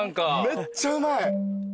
めっちゃうまい。